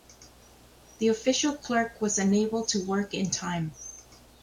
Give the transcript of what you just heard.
The official clerk was unable to work in time.